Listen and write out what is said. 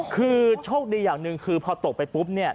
คือโชคดีอย่างหนึ่งคือพอตกไปปุ๊บเนี่ย